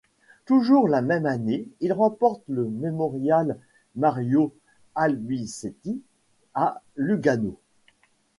Toujours la même année il remporte le Mémorial Mario-Albisetti à Lugano.